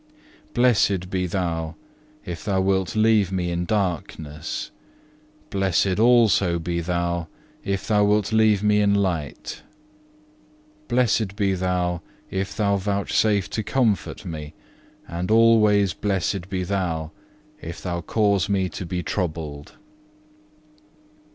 Blessed be Thou if Thou wilt leave me in darkness: blessed also be Thou if Thou wilt leave me in light. Blessed be Thou if Thou vouchsafe to comfort me, and always blessed be Thou if Thou cause me to be troubled.